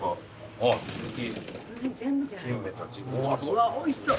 うわおいしそう。